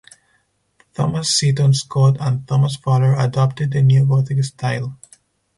Thomas Seaton Scott and Thomas Fuller adopted the Neo-Gothic style.